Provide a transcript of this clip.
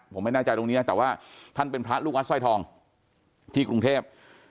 ผมไม่แน่ใจตรงนี้แต่ว่าท่านเป็นพระลูกวัดสร้อยทองที่กรุงเทพ